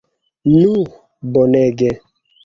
Nu, bonege!